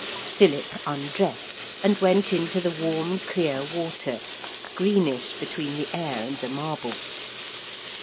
Philip undressed and went into the warm clear water, greenish between the air and the marble.